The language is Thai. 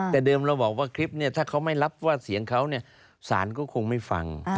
แต่เดิมเราบอกว่าคลิปนี้ถ้าเขาไม่รับว่าเสียงเขาสารก็คงไม่ฟัง